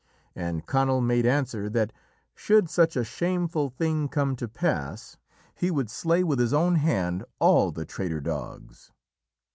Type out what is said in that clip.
And Conall made answer that should such a shameful thing come to pass he would slay with his own hand all the traitor dogs.